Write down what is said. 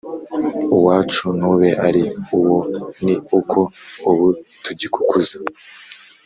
Uwacu ntube ari uwo Ni uko ubu tugikukuza!